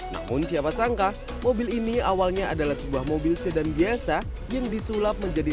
namun siapa sangka mobil ini awalnya adalah sebuah mobil sedan biasa yang disulap menjadi